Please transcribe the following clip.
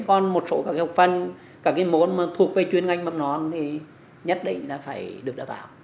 còn một số các học văn các môn mà thuộc về chuyên ngành bầm nón thì nhất định là phải được đào tạo